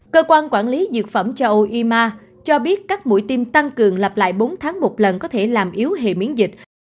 cơ quan quản lý dược phẩm cho oima cho biết các mũi tiêm tăng cường lặp lại bốn tháng một lần có thể làm yếu hệ miễn dịch